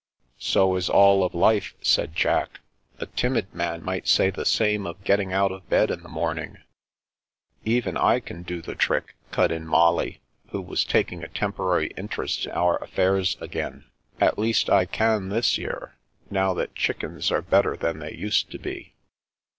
"So is all of life," said Jack. "A timid man might say the same of getting out of bed in the morning." Even I can do the trick," cut in Molly, who was taking a temporary interest in our affairs again. ''At least, I can this year, now that chickens are better than they used to be."